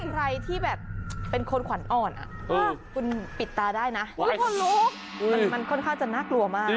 ใครที่แบบเป็นคนขวัญอ่อนคุณปิดตาได้นะคนลุกมันค่อนข้างจะน่ากลัวมาก